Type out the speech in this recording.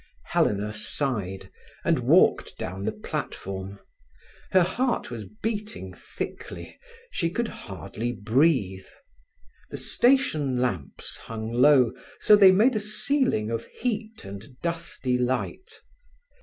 Helena sighed, and walked down the platform. Her heart was beating thickly; she could hardly breathe. The station lamps hung low, so they made a ceiling of heat and dusty light.